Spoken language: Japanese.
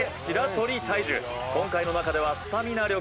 今回の中ではスタミナ力